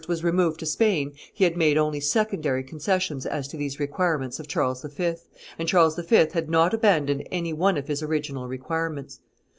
was removed to Spain he had made only secondary concessions as to these requirements of Charles V., and Charles V. had not abandoned any one of his original requirements.